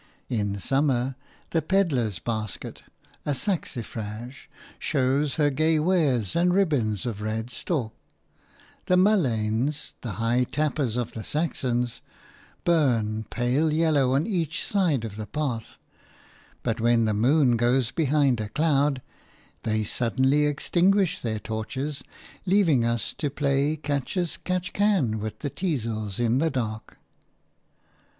In summer, the Pedlar's basket – a saxifrage – shows her gay wares and ribands of red stalk; the mulleins – the hig tapers of the Saxons – burn, pale yellow, on each side of the path, but when the moon goes behind a cloud, they suddenly extinguish their torches, leaving us to play catch as catch can with the teazels in the dark.